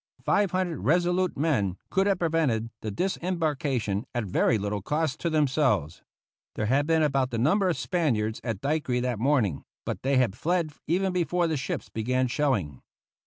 Five hundred resolute men could have prevented the disembarkation at very little cost to themselves. There had been about that number of Spaniards at Daiquiri that morning, but they had fled even before the ships began shelling.